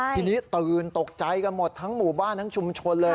ทีนี้ตื่นตกใจกันหมดทั้งหมู่บ้านทั้งชุมชนเลย